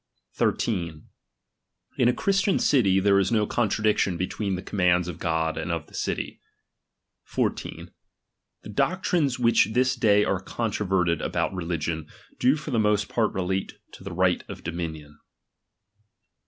13 In a Christian city, there is no con tradiction between the commands of God and of the city. H< The doctrines which this day are controverted about reli gion, do for the most part relate to the right of dominion.